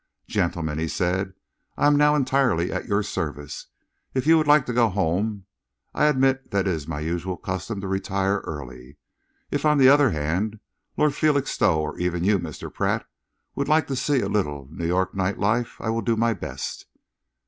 "Gentlemen," he said, "I am now entirely at your service. If you would like to go home, I admit that it is my usual custom to retire early. If, on the other hand, Lord Felixstowe, or even you, Mr. Pratt, would like to see a little New York night life, I will do my best."